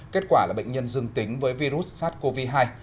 kết quả là bệnh nhân dương tính với virus sars cov hai